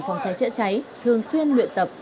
phòng cháy chữa cháy thường xuyên luyện tập